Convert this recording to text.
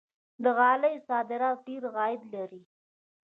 د غالیو صادرات ډیر عاید لري.